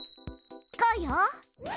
こうよ。